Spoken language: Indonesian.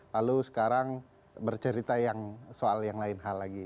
lalu sekarang bercerita yang soal yang lain hal lagi